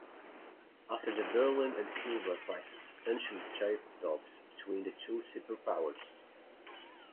After the Berlin and Cuba crises, tensions tapered off between the two superpowers.